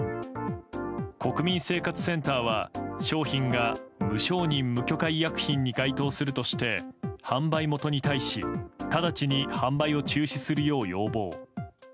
国民生活センターは商品が無承認無許可医薬品に該当するとして、販売元に対し直ちに販売を中止するよう要望。